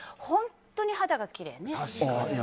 本当に肌がきれいね。